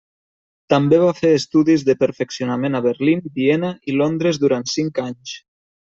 També va fer estudis de perfeccionament a Berlín, Viena i Londres durant cinc anys.